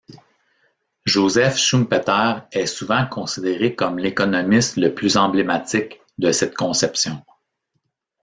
Joseph Schumpeter est souvent considéré comme l'économiste le plus emblématique de cette conception.